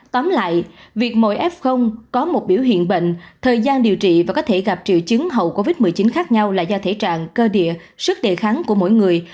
tóm lại việc mỗi f có một biểu hiện bệnh thời gian điều trị và có thể gặp triệu chứng hậu covid một mươi chín khác nhau là do thể trạng cơ địa sức đề kháng của mỗi người